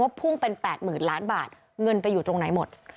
พุ่งเป็น๘๐๐๐ล้านบาทเงินไปอยู่ตรงไหนหมด